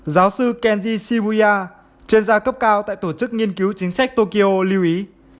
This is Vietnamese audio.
giáo sư kenji shibuya chuyên gia cấp cao tại tổ chức nghiên cứu chính sách tokyo lưu ý